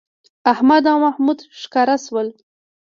احمد او محمود ښکاره شول